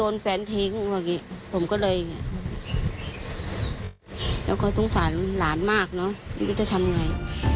แล้วก็ต้องสารหลานมากนี่ก็จะทำยังไง